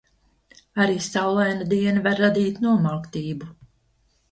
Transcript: Arī saulaina diena var radīt nomāktību.